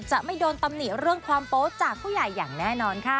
จะไม่โดนตำหนิเรื่องความโป๊จากผู้ใหญ่อย่างแน่นอนค่ะ